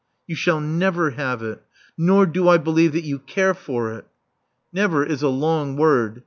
"You shall never have it. Nor do I believe that you care for it. "Never is a long word.